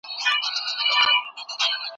پخواني خلګ به تر ډېره ناست وو.